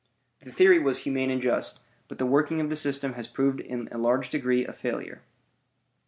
The theory was humane and just, but the working of the system has proved in a large degree a failure.